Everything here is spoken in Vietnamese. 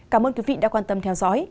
cảm ơn quý vị đã quan tâm theo dõi